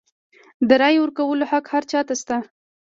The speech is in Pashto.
د رایې ورکولو حق هر چا ته شته.